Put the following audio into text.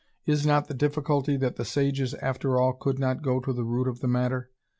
Is not the difficulty that the sages after all could not go to the root of the matter?